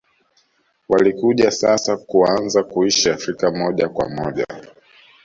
Walikuja sasa kuanza kuishi Afrika moja kwa moja